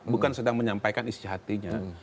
bukan sedang menyampaikan isi hatinya